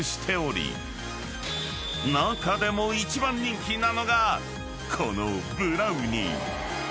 ［中でも一番人気なのがこのブラウニー］